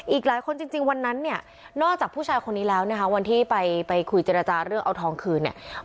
อีกหลายคนจริงวันนั้นเนี่ยนอกจากผู้ชายคนนี้แล้วนะคะวันที่ไปคุยเจรจาเรื่องเอาทองคืนเนี่ย